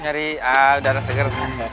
nyari udara segar